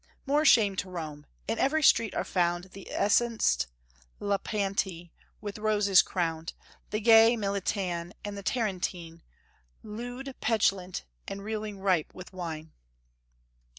More shame to Rome! in every street are found The essenced Lypanti, with roses crowned; The gay Miletan and the Tarentine, Lewd, petulant, and reeling ripe with wine!"